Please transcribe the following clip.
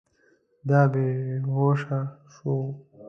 دا بې هوشه سو.